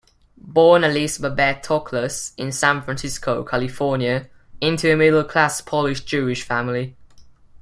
Born Alice Babette Toklas in San Francisco, California, into a middle-class Polish Jewish family.